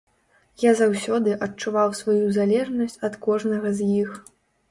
Я заўсёды адчуваў сваю залежнасць ад кожнага з іх.